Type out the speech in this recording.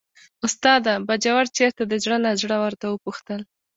استاده! باجوړ چېرته دی، زړه نازړه ورته وپوښتل.